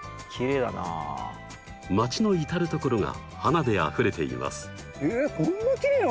街の至る所が花であふれています。